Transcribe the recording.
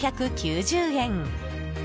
７９０円。